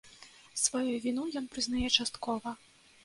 Сваю віну ён прызнае часткова.